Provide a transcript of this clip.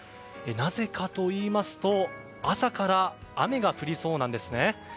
なぜかといいますと朝から雨が降りそうなんですね。